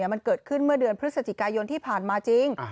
มันเกิดขึ้นเมื่อเดือนพฤศจิกายนที่ผ่านมาจริง